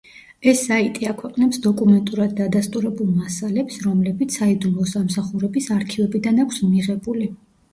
ეს საიტი აქვეყნებს დოკუმენტურად დადასტურებულ მასალებს, რომლებიც საიდუმლო სამსახურების არქივებიდან აქვს მიღებული.